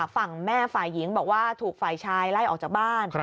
ฝั่งแม่ฝ่ายหญิงบอกว่าถูกฝ่ายชายไล่ออกจากบ้าน